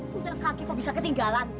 kau jalan kaki kok bisa ketinggalan